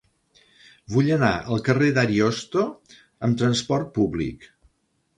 Vull anar al carrer d'Ariosto amb trasport públic.